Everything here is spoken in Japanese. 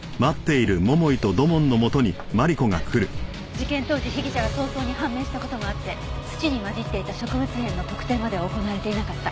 事件当時被疑者が早々に判明した事もあって土に混じっていた植物片の特定までは行われていなかった。